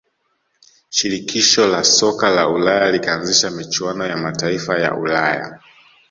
shirikisho la soka la ulaya likaanzisha michuano ya mataifa ya ulaya